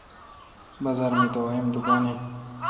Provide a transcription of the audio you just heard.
بازار می دوای ام دکان این۔